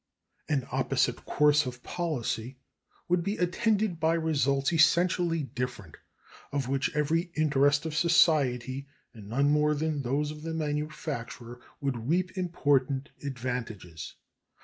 An opposite course of policy would be attended by results essentially different, of which every interest of society, and none more than those of the manufacturer, would reap important advantages.